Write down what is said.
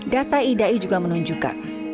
data idai juga menunjukkan